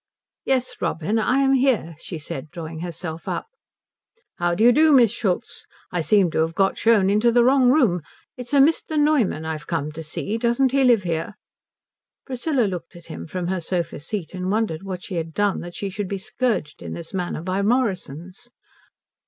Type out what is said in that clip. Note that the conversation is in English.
"Yes, Robin, I am here," she said, drawing herself up. "How do you do, Miss Schultz. I seem to have got shown into the wrong room. It's a Mr. Neumann I've come to see; doesn't he live here?" Priscilla looked at him from her sofa seat and wondered what she had done that she should be scourged in this manner by Morrisons.